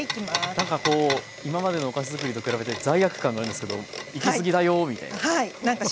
なんかこう今までのお菓子づくりと比べて罪悪感があるんですけど行き過ぎだよみたいな。